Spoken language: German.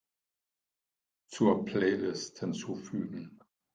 Zur Playlist hinzufügen.